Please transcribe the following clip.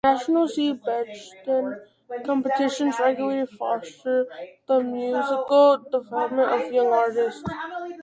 National C. Bechstein competitions regularly foster the musical development of young artists.